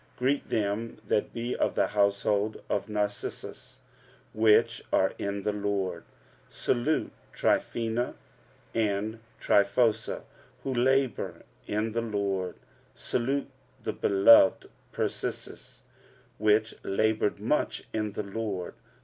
Greet them that be of the household of Narcissus, which are in the Lord. 45:016:012 Salute Tryphena and Tryphosa, who labour in the Lord. Salute the beloved Persis, which laboured much in the Lord.